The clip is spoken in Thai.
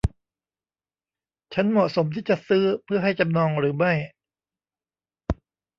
ฉันเหมาะสมที่จะซื้อเพื่อให้จำนองหรือไม่